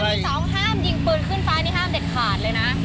ที่สองห้ามยิงปืนขึ้นฟ้านี่ห้ามเด็ดขาดเลยนะ